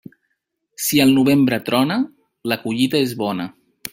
Si al novembre trona, la collita és bona.